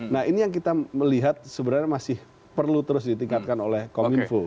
nah ini yang kita melihat sebenarnya masih perlu terus ditingkatkan oleh kominfo